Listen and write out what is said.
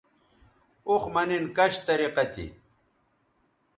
اوخ مہ نِن کش طریقہ تھی